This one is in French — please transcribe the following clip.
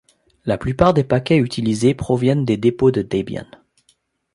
La plupart des paquets utilisés proviennent des dépôts de Debian.